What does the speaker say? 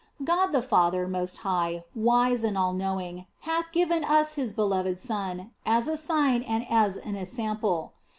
God the Father, most high, wise and all knowing, hath given us His beloved Son as a sign and as ensample.